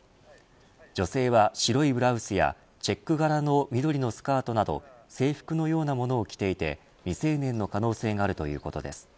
女性は、白いブラウスやチェック柄の緑のスカートなど制服のようなものを着ていて未成年の可能性があるということです。